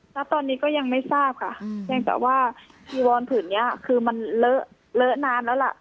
ณตอนนี้ก็ยังไม่ทราบค่ะเพียงแต่ว่าจีวอนผืนนี้คือมันเลอะเลอะนานแล้วล่ะ